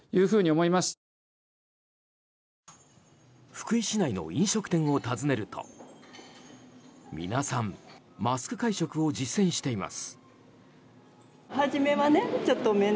福井市内の飲食店を訪ねると皆さんマスク会食を実践しています。